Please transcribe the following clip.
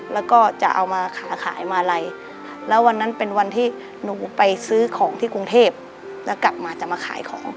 แล้วก็จะเอามาขาขายมาลัยแล้ววันนั้นเป็นวันที่หนูไปซื้อของที่กรุงเทพแล้วกลับมาจะมาขายของ